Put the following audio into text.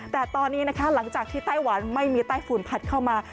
แต่ตอนนี้นะคะหลังจากที่ไต้หวันไม่มีใต้ฝุ่นผัดเข้ามา